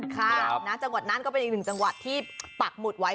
จังหวัดนั้นก็เป็นอีกหนึ่งจังหวัดที่ปักหมุดไว้